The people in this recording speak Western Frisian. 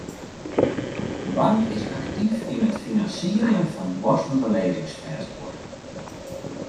De bank is aktyf yn it finansierjen fan duorsum belizzingsfêstguod.